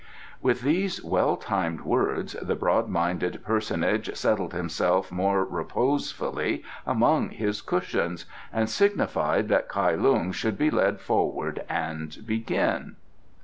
With these well timed words the broad minded personage settled himself more reposefully among his cushions and signified that Kai Lung should be led forward and begin.